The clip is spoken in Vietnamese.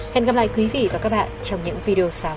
hẹn gặp lại quý vị và các bạn trong những video sáng